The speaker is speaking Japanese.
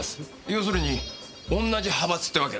要するに同じ派閥ってわけか。